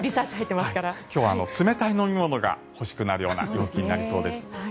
今日は冷たい飲み物が欲しくなる陽気となりそうです。